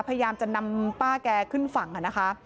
พยายามจะนำป้าแกขึ้นฝั่งนะคะ